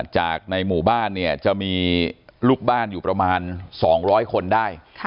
จากในหมู่บ้านเนี่ยจะมีลูกบ้านอยู่ประมาณ๒๐๐คนได้